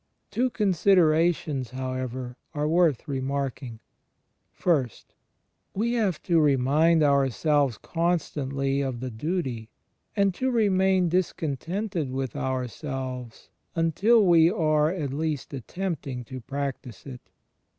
Two considerations, however, are worth remarking : (i) We have to remind ourselves constantly of the duty, and to remain discontented with ourselves imtil we are at least attempting to practise it.